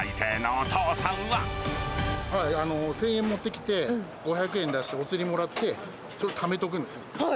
１０００円持ってきて、５００円出してお釣りもらって、ためておくんですよ。